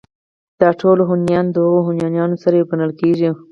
دا ټول هونيان د هغو هونيانو سره يو گڼل کېږي